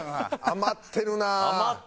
余ってる。